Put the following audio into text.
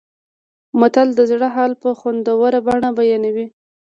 متل د زړه حال په خوندوره بڼه بیانوي